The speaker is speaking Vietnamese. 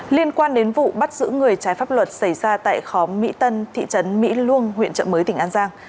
liên quan đến vụ bắt giữ người trái pháp luật xảy ra tại khóm mỹ tân thị trấn mỹ luông huyện trợ mới tỉnh an giang